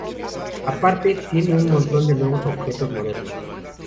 Aparte, tiene un montón de nuevos objetos modernos.